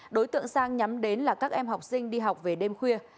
đối tượng sang nhắm đến là các em học sinh đi học về đêm khuya